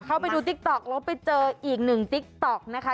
ไปดูติ๊กต๊อกแล้วไปเจออีกหนึ่งติ๊กต๊อกนะคะ